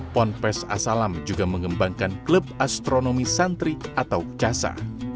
pondok pes as salam juga mengembangkan klub astronomi santri atau casa